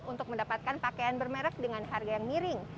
untuk mendapatkan pakaian bermerek dengan harga yang miring